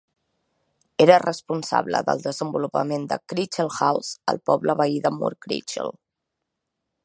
Era responsable del desenvolupament de Crichel House al poble veí de Moor Crichel.